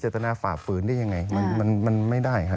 จัตรณฝ่าฝืนได้ยังไงมันไม่ได้